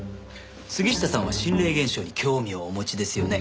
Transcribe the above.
杉下さんは心霊現象に興味をお持ちですよね？